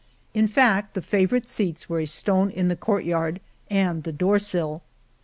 In fact the favor ite seats were a stone in the courtyard and the door sill.